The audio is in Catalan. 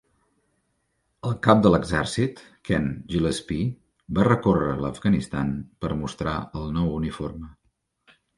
El cap de l'exèrcit, Ken Gillespie, va recórrer l'Afganistan per mostrar el nou uniforme.